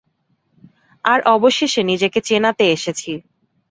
আর অবশেষে নিজেকে চেনাতে এসেছি।